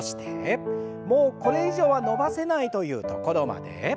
もうこれ以上は伸ばせないというところまで。